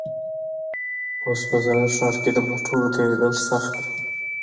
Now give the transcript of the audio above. اوس په زاړه ښار کې د موټرو تېرېدل سخت دي.